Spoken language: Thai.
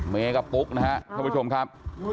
เมย์กับปุ๊กนะครับท่านผู้ชมครับ